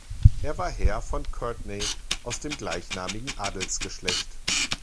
Er war Herr von Courtenay aus dem gleichnamigen Adelsgeschlecht.